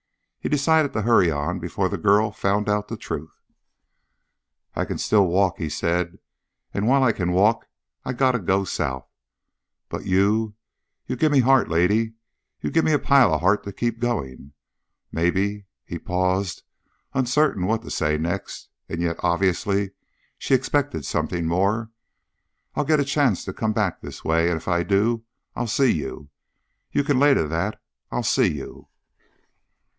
He decided to hurry on before the girl found out the truth. "I can still walk," he said, "and, while I can walk, I got to go south. But you gimme heart, lady. You gimme a pile of heart to keep going. Maybe" he paused, uncertain what to say next, and yet obviously she expected something more "I'll get a chance to come back this way, and if I do, I'll see you! You can lay to that I'll see you!"